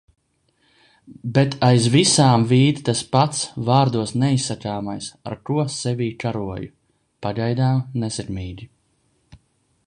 Bet aiz visām vīd tas pats vārdos neizsakāmais, ar ko sevī karoju. Pagaidām nesekmīgi.